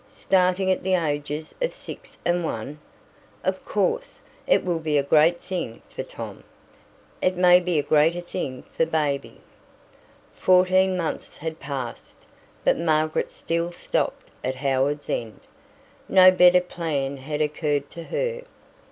"Starting at the ages of six and one?" "Of course. It will be a great thing for Tom." "It may be a greater thing for baby." Fourteen months had passed, but Margaret still stopped at Howards End. No better plan had occurred to her.